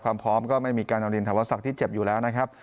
ความพร้อมก็ไม่มีการลืมถวันสักที่เจ็บอยู่แล้วนะครับ